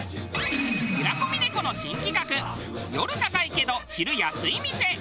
平子峰子の新企画夜高いけど昼安い店。